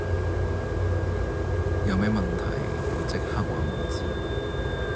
有咩問題要即刻話我知